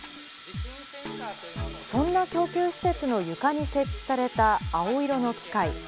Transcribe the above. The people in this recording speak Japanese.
そんな供給施設の床に設置された青色の機械。